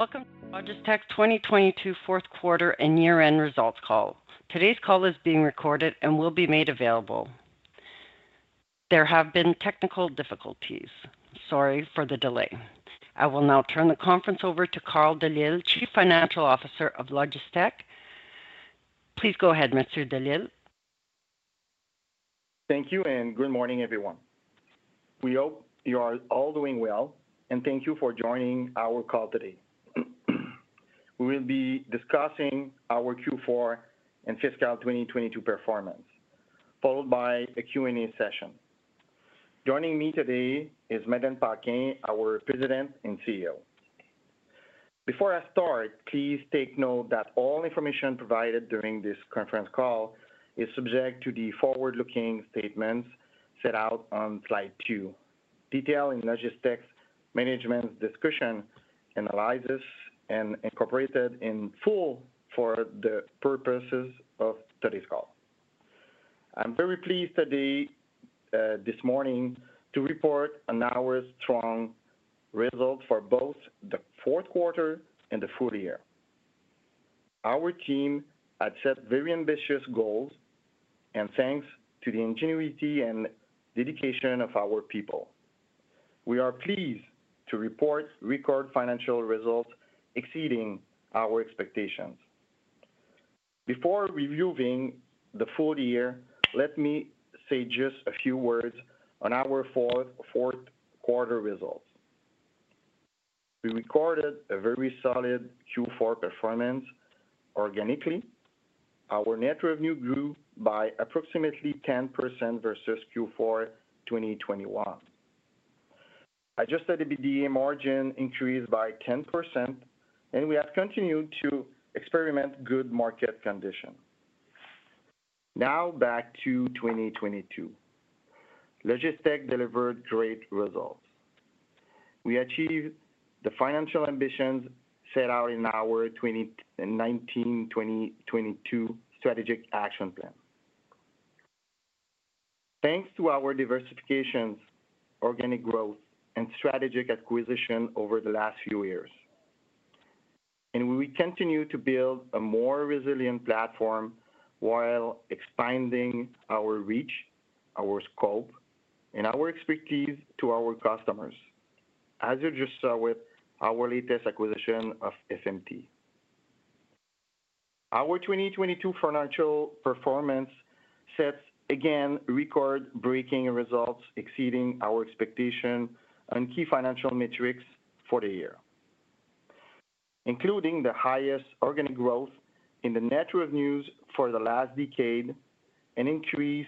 Welcome to LOGISTEC's 2022 fourth quarter and year-end results call. Today's call is being recorded and will be made available. There have been technical difficulties. Sorry for the delay. I will now turn the conference over to Carl Delisle, Chief Financial Officer of LOGISTEC. Please go ahead, Mr. Delisle. Thank you. Good morning, everyone. We hope you are all doing well, and thank you for joining our call today. We will be discussing our Q4 and fiscal 2022 performance, followed by a Q&A session. Joining me today is Madeleine Paquin, our President and CEO. Before I start, please take note that all information provided during this conference call is subject to the forward-looking statements set out on slide two, detailed in LOGISTEC's management's discussion and analysis, and incorporated in full for the purposes of today's call. I'm very pleased today this morning to report on our strong result for both the fourth quarter and the full year. Our team had set very ambitious goals, and thanks to the ingenuity and dedication of our people, we are pleased to report record financial results exceeding our expectations. Before reviewing the full year, let me say just a few words on our fourth quarter results. We recorded a very solid Q4 performance organically. Our net revenue grew by approximately 10% versus Q4 2021. Adjusted EBITDA margin increased by 10%. We have continued to experiment good market condition. Now back to 2022. LOGISTEC delivered great results. We achieved the financial ambitions set out in our 2019-2022 strategic action plan. Thanks to our diversifications, organic growth, and strategic acquisition over the last few years. We continue to build a more resilient platform while expanding our reach, our scope, and our expertise to our customers, as you just saw with our latest acquisition of FMT. Our 2022 financial performance sets again record-breaking results exceeding our expectation on key financial metrics for the year, including the highest organic growth in the net revenues for the last decade, an increase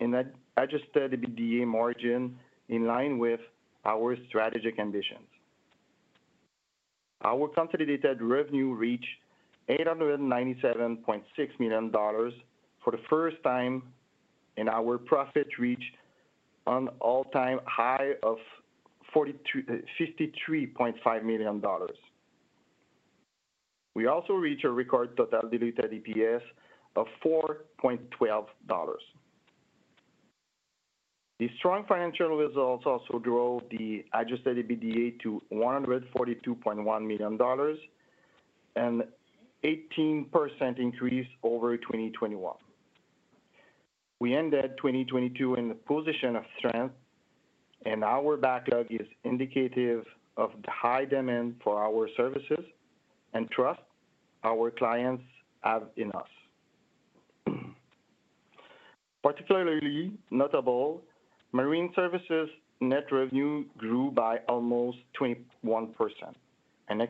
in adjusted EBITDA margin in line with our strategic ambitions. Our consolidated revenue reached 897.6 million dollars for the first time. Our profit reached an all-time high of 53.5 million dollars. We also reach a record total diluted EPS of 4.12 dollars. The strong financial results also drove the adjusted EBITDA to 142.1 million dollars, an 18% increase over 2021. We ended 2022 in a position of strength. Our backlog is indicative of the high demand for our services and trust our clients have in us. Particularly notable, Marine Services net revenue grew by almost 21%, an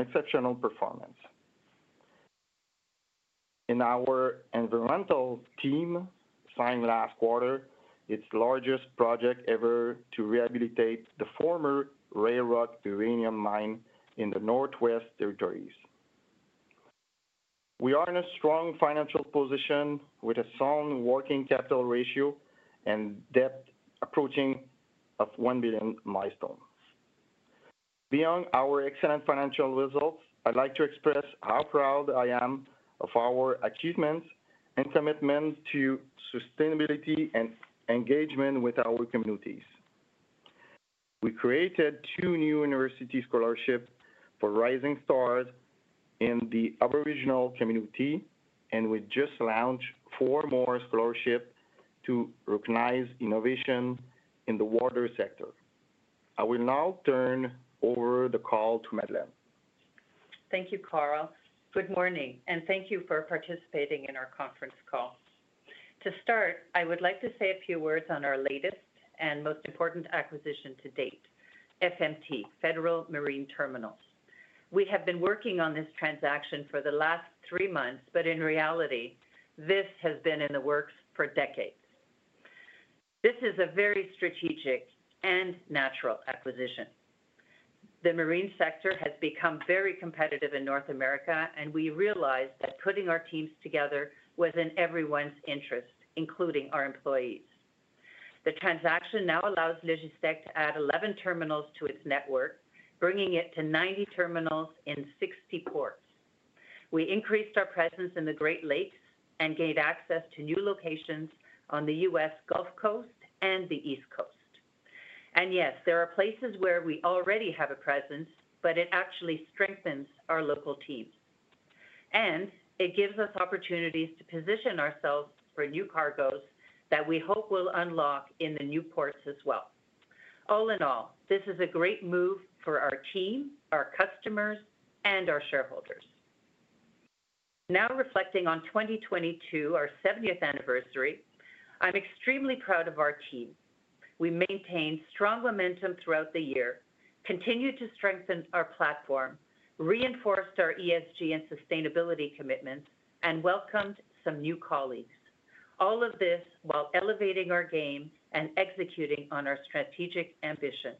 exceptional performance. Our environmental team signed last quarter its largest project ever to rehabilitate the former Rayrock uranium mine in the Northwest Territories. We are in a strong financial position with a sound working capital ratio and debt approaching of 1 billion milestone. Beyond our excellent financial results, I'd like to express how proud I am of our achievements and commitment to sustainability and engagement with our communities. We created two new university scholarships for Rising Stars in the Aboriginal community, and we just launched four more scholarships to recognize innovation in the water sector. I will now turn over the call to Madeleine. Thank you, Carl. Good morning, and thank you for participating in our conference call. To start, I would like to say a few words on our latest and most important acquisition to date, FMT, Federal Marine Terminals. We have been working on this transaction for the last 3 months, but in reality, this has been in the works for decades. This is a very strategic and natural acquisition. The Marine sector has become very competitive in North America, and we realized that putting our teams together was in everyone's interest, including our employees. The transaction now allows LOGISTEC to add 11 terminals to its network, bringing it to 90 terminals in 60 ports. We increased our presence in the Great Lakes and gained access to new locations on the U.S. Gulf Coast and the East Coast. Yes, there are places where we already have a presence, but it actually strengthens our local teams. It gives us opportunities to position ourselves for new cargos that we hope will unlock in the new ports as well. All in all, this is a great move for our team, our customers, and our shareholders. Now reflecting on 2022, our 70th anniversary, I'm extremely proud of our team. We maintained strong momentum throughout the year, continued to strengthen our platform, reinforced our ESG and sustainability commitment, and welcomed some new colleagues. All of this while elevating our game and executing on our strategic ambition.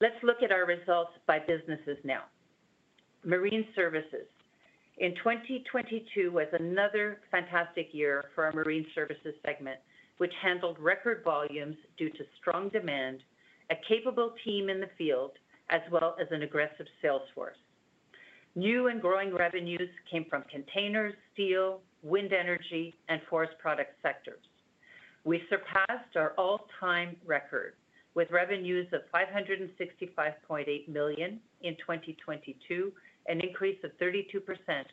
Let's look at our results by businesses now. Marine Services. In 2022 was another fantastic year for our Marine Services segment, which handled record volumes due to strong demand, a capable team in the field, as well as an aggressive sales force. New and growing revenues came from containers, steel, wind energy, and forest product sectors. We surpassed our all-time record with revenues of 565.8 million in 2022, an increase of 32%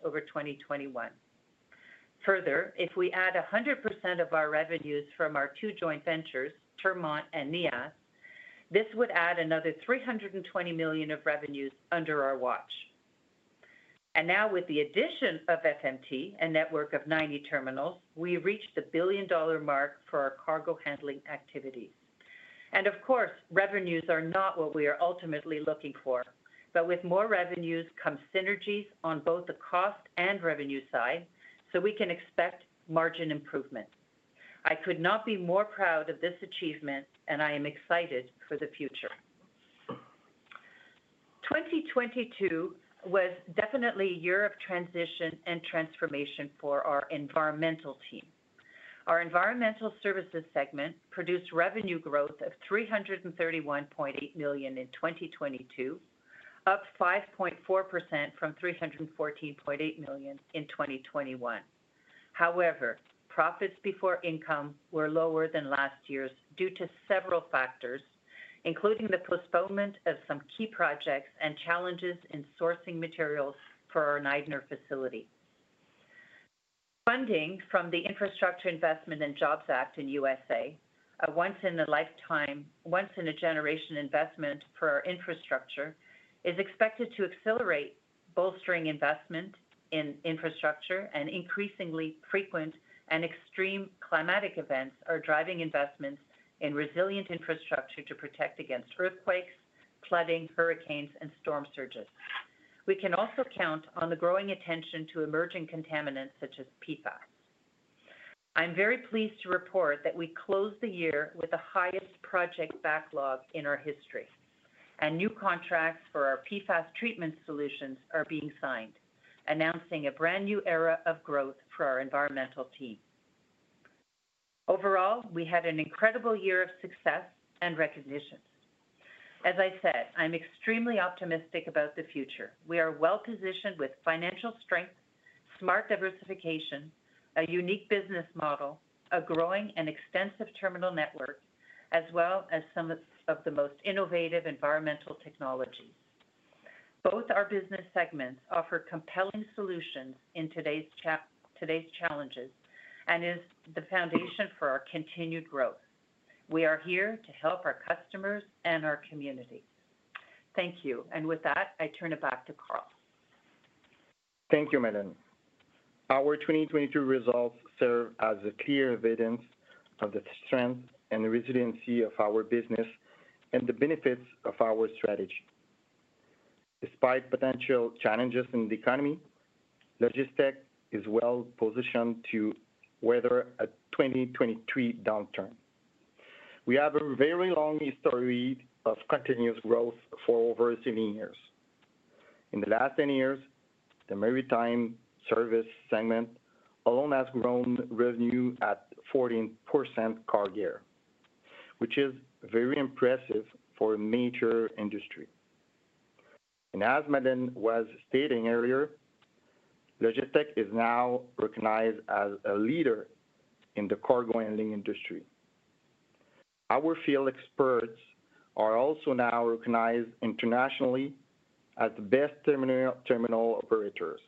over 2021. Further, if we add 100% of our revenues from our two joint ventures, Termont and NEAS, this would add another 320 million of revenues under our watch. Now with the addition of FMT, a network of 90 terminals, we reached the billion-dollar mark for our cargo handling activity. Of course, revenues are not what we are ultimately looking for. With more revenues come synergies on both the cost and revenue side, so we can expect margin improvement. I could not be more proud of this achievement, and I am excited for the future. 2022 was definitely a year of transition and transformation for our environmental team. Our Environmental Services segment produced revenue growth of 331.8 million in 2022, up 5.4% from 314.8 million in 2021. Profits before income were lower than last year's due to several factors, including the postponement of some key projects and challenges in sourcing materials for our Niedner facility. Funding from the Infrastructure Investment and Jobs Act in U.S.A., a once in a lifetime, once in a generation investment for our infrastructure, is expected to accelerate bolstering investment in infrastructure, increasingly frequent and extreme climatic events are driving investments in resilient infrastructure to protect against earthquakes, flooding, hurricanes, and storm surges. We can also count on the growing attention to emerging contaminants such as PFAS. I'm very pleased to report that we closed the year with the highest project backlog in our history, and new contracts for our PFAS treatment solutions are being signed, announcing a brand-new era of growth for our environmental team. Overall, we had an incredible year of success and recognition. As I said, I'm extremely optimistic about the future. We are well-positioned with financial strength, smart diversification, a unique business model, a growing and extensive terminal network, as well as some of the most innovative environmental technologies. Both our business segments offer compelling solutions in today's challenges and is the foundation for our continued growth. We are here to help our customers and our community. Thank you. With that, I turn it back to Carl. Thank you, Madeleine. Our 2022 results serve as a clear evidence of the strength and resiliency of our business and the benefits of our strategy. Despite potential challenges in the economy, LOGISTEC is well-positioned to weather a 2023 downturn. We have a very long history of continuous growth for over 70 years. In the last 10 years, the Marine Services segment alone has grown revenue at 14% CAGR year, which is very impressive for a major industry. As Madeleine was stating earlier, LOGISTEC is now recognized as a leader in the cargo handling industry. Our field experts are also now recognized internationally as the best terminal operators.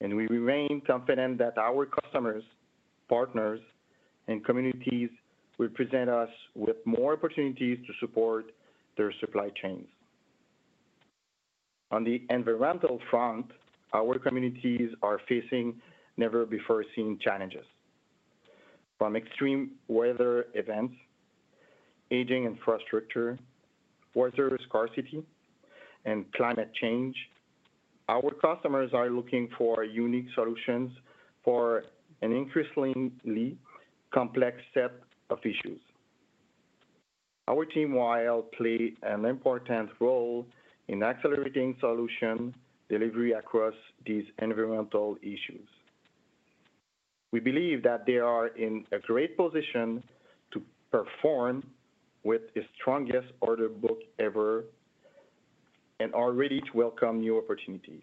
We remain confident that our customers, partners, and communities will present us with more opportunities to support their supply chains. On the environmental front, our communities are facing never-before-seen challenges. From extreme weather events, aging infrastructure, water scarcity, and climate change, our customers are looking for unique solutions for an increasingly complex set of issues. Our team will play an important role in accelerating solution delivery across these environmental issues. We believe that they are in a great position to perform with the strongest order book ever and are ready to welcome new opportunities.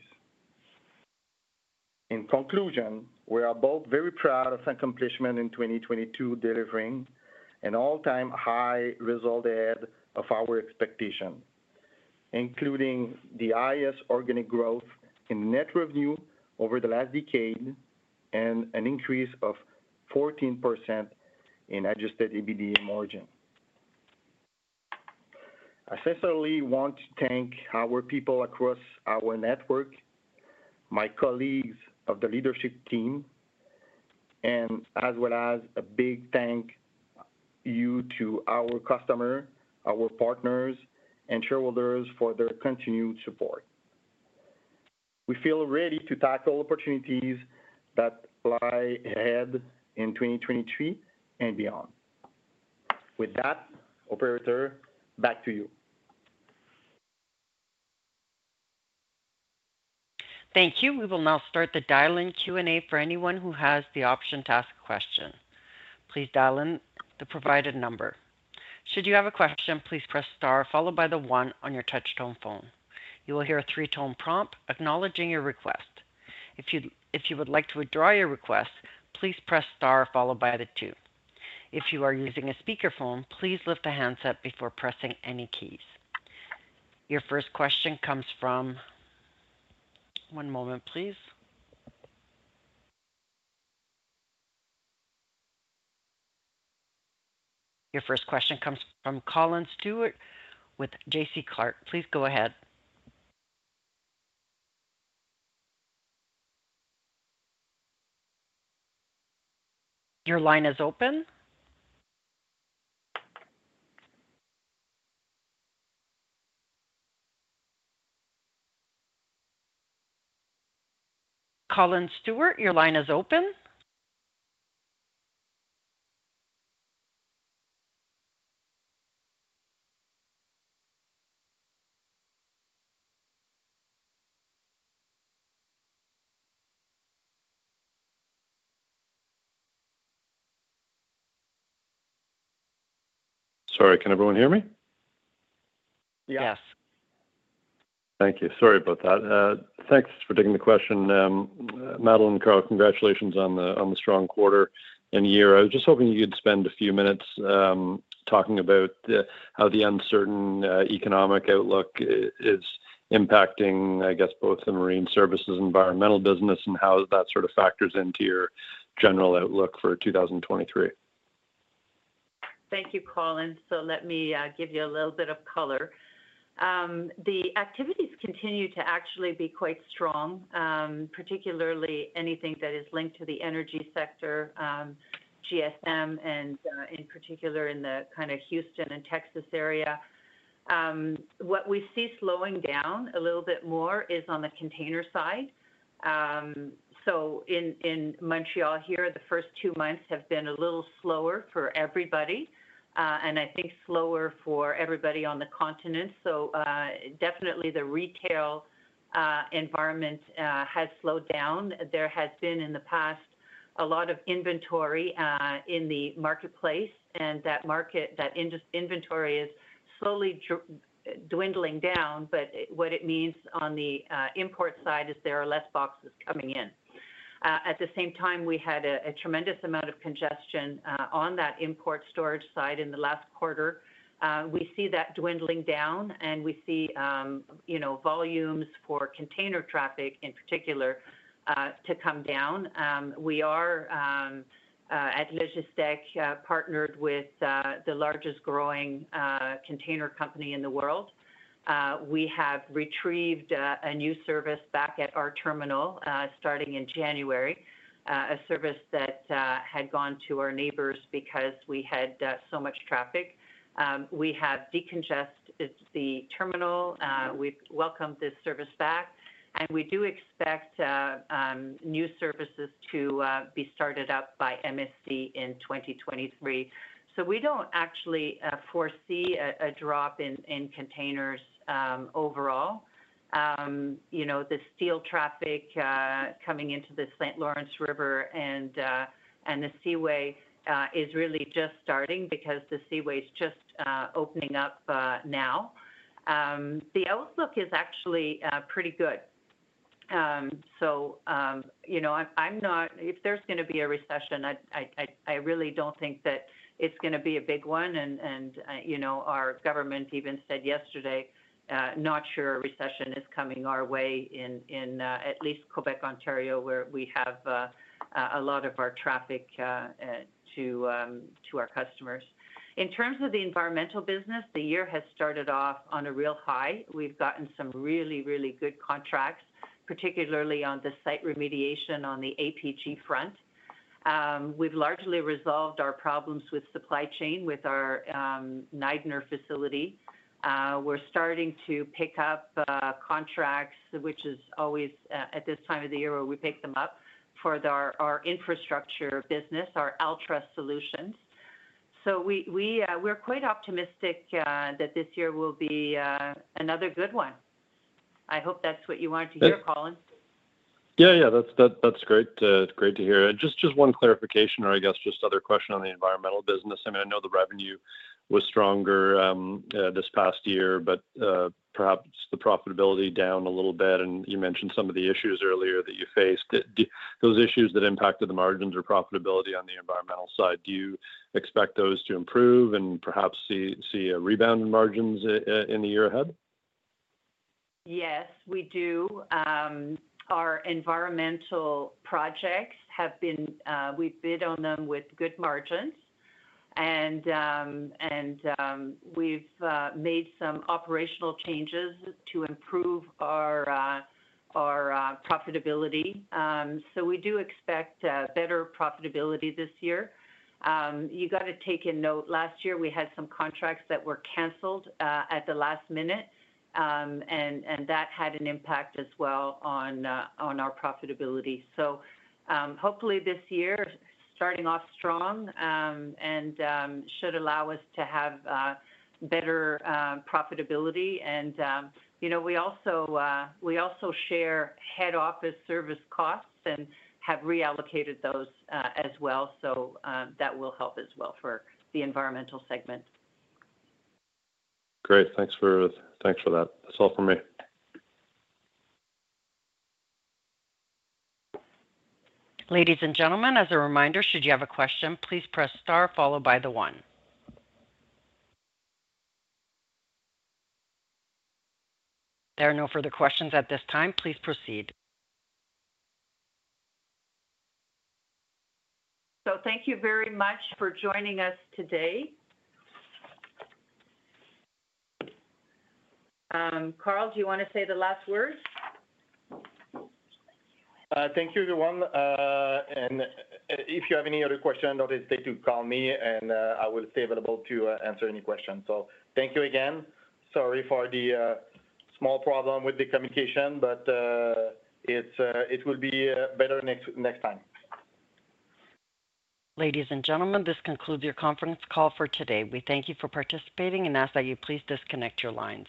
In conclusion, we are both very proud of the accomplishment in 2022 delivering an all-time high result ahead of our expectation, including the highest organic growth in net revenue over the last decade and an increase of 14% in adjusted EBITDA margin. I sincerely want to thank our people across our network, my colleagues of the leadership team, and as well as a big thank you to our customer, our partners, and shareholders for their continued support. We feel ready to tackle opportunities that lie ahead in 2023 and beyond. With that, operator, back to you. Thank you. We will now start the dial-in Q&A for anyone who has the option to ask a question. Please dial in the provided number. Should you have a question, please press star followed by the one on your touch-tone phone. You will hear a three-tone prompt acknowledging your request. If you would like to withdraw your request, please press star followed by the two. If you are using a speakerphone, please lift the handset before pressing any keys. One moment, please. Your first question comes from Colin Stewart with JC Clark. Please go ahead. Your line is open. Colin Stewart, your line is open. Sorry, can everyone hear me? Yes. Thank you. Sorry about that. Thanks for taking the question. Madeleine, Carl, congratulations on the strong quarter and year. I was just hoping you could spend a few minutes talking about how the uncertain economic outlook is impacting, I guess, both the Marine Services and Environmental business and how that sort of factors into your general outlook for 2023. Thank you, Colin. Let me give you a little bit of color. The activities continue to actually be quite strong, particularly anything that is linked to the energy sector, GSM and in particular in the kind of Houston and Texas area. What we see slowing down a little bit more is on the container side. In Montreal here, the first two months have been a little slower for everybody, and I think slower for everybody on the continent. Definitely the retail environment has slowed down. There has been in the past a lot of inventory in the marketplace, and that market, that inventory is slowly dwindling down. What it means on the import side is there are less boxes coming in. At the same time, we had a tremendous amount of congestion on that import storage side in the last quarter. We see that dwindling down, and we see, you know, volumes for container traffic in particular, to come down. We are at LOGISTEC, partnered with the largest-growing container company in the world. We have retrieved a new service back at our terminal, starting in January, a service that had gone to our neighbors because we had so much traffic. We have decongested the terminal. We've welcomed this service back, and we do expect new services to be started up by MSC in 2023. We don't actually foresee a drop in containers overall. You know, the steel traffic coming into the Saint Lawrence River and the Seaway is really just starting because the Seaway is just opening up now. The outlook is actually pretty good. You know, if there's gonna be a recession, I really don't think that it's gonna be a big one and, you know, our government even said yesterday, not sure a recession is coming our way in, at least Quebec, Ontario, where we have a lot of our traffic to our customers. In terms of the Environmental business, the year has started off on a real high. We've gotten some really good contracts, particularly on the site remediation on the APG front. We've largely resolved our problems with supply chain with our Niedner facility. We're starting to pick up contracts, which is always at this time of the year where we pick them up for our infrastructure business, our ALTRA Solutions. We, we're quite optimistic that this year will be another good one. I hope that's what you wanted to hear, Colin. Yeah, yeah. That's, that's great to hear. Just one clarification or I guess just other question on the Environmental business. I mean, I know the revenue was stronger, this past year, but perhaps the profitability down a little bit, and you mentioned some of the issues earlier that you faced. Those issues that impacted the margins or profitability on the Environmental side, do you expect those to improve and perhaps see a rebound in margins in the year ahead? Yes, we do. We bid on them with good margins and we've made some operational changes to improve our profitability. We do expect better profitability this year. You gotta take a note. Last year, we had some contracts that were canceled at the last minute, and that had an impact as well on our profitability. Hopefully this year starting off strong, and should allow us to have better profitability. You know, we also share head office service costs and have reallocated those as well, that will help as well for the Environmental segment. Great. Thanks for that. That's all for me. Ladies and gentlemen, as a reminder, should you have a question, please press star followed by the one. There are no further questions at this time. Please proceed. Thank you very much for joining us today. Carl, do you wanna say the last words? Thank you, everyone. If you have any other question, don't hesitate to call me, and I will stay available to answer any questions. Thank you again. Sorry for the small problem with the communication, it's it will be better next time. Ladies and gentlemen, this concludes your conference call for today. We thank you for participating and ask that you please disconnect your lines.